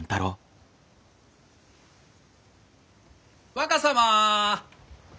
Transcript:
若様！